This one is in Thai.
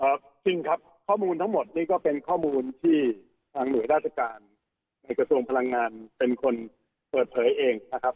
จริงครับข้อมูลทั้งหมดนี่ก็เป็นข้อมูลที่ทางหน่วยราชการในกระทรวงพลังงานเป็นคนเปิดเผยเองนะครับ